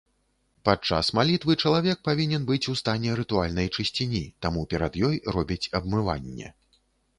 Падчас малітвы чалавек павінен быць у стане рытуальнай чысціні, таму перад ёй робіць абмыванне.